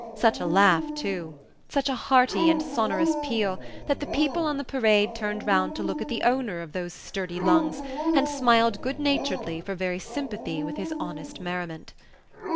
Such a laugh, too! such a hearty and sonorous peal, that the people on the Parade turned round to look at the owner of those sturdy lungs, and smiled good naturedly for very sympathy with his honest merriment.